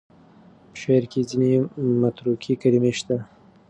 په شعر کې ځینې متروکې کلمې شته.